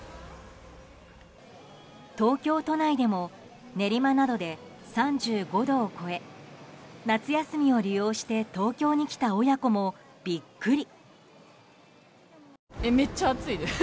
東京都内でも練馬などで３５度を超え夏休みを利用して東京に来た親子もビックリ。